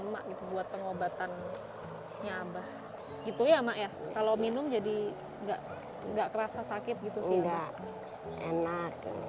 emak buat pengobatan nyabah gitu ya kalau minum jadi enggak enggak kerasa sakit gitu enggak enak